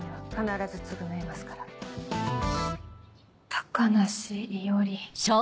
「高梨伊織」。